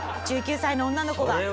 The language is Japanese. １９歳の女の子が。